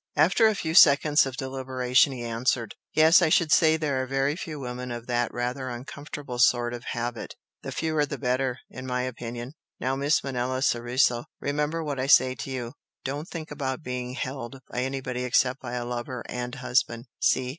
After a few seconds of deliberation he answered "Yes I should say there are very few women of that rather uncomfortable sort of habit, the fewer the better, in my opinion. Now Miss Manella Soriso, remember what I say to you! Don't think about being 'held' by anybody except by a lover and husband! See?